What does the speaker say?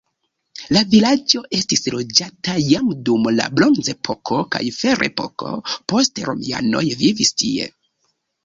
La vilaĝo estis loĝata jam dum la bronzepoko kaj ferepoko poste romianoj vivis tie.